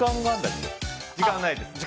時間はないです。